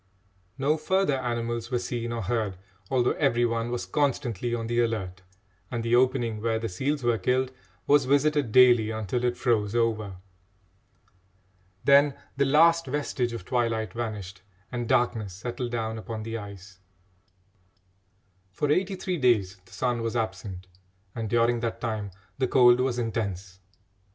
No further animals were seen or heard, although every one was constantly on the alert, and the opening where the seals were killed was visited daily until it froze over. Then the last vestige of twilight vanished and darkness settled down upon the ice. For eighty three days the sun was absent, and during that time the cold was intense.